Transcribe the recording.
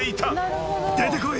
・出てこい。